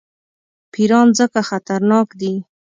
پیران ځکه خطرناک دي.